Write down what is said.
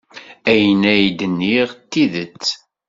Ayen ay d-nniɣ d tidet.